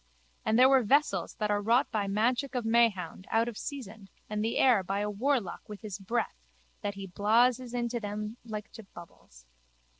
And there were vessels that are wrought by magic of Mahound out of seasand and the air by a warlock with his breath that he blases in to them like to bubbles.